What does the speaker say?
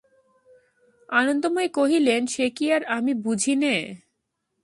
আনন্দময়ী কহিলেন, সে কি আর আমি বুঝি নে।